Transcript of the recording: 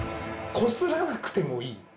こすらなくてもいい。